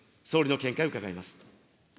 総理の見解を伺います。